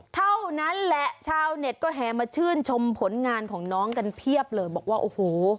เท่านั้นแหละชาวเน็ตก็แห่มาชื่นชมผลงานของน้องกันเพียบเลยบอกว่าโอ้โห